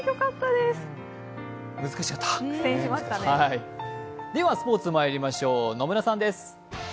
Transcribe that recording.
ではスポーツまいりましょう、野村さんです。